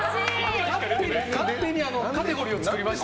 勝手にカテゴリーを作りまして。